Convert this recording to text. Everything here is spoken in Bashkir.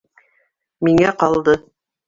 Миңә ҡалды.